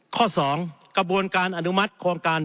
ข้อ๒กระบวนการอนุมัติโครงการ